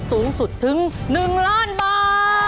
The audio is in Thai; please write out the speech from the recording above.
สูงสุดถึง๑ล้านบาท